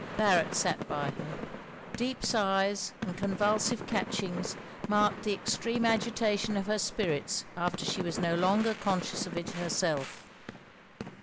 Barret sat by her. Deep sighs and convulsive catchings marked the extreme agitation of her spirits after she was no longer conscious of it herself.